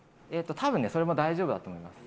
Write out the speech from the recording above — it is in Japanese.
多分ねそれも大丈夫だと思います。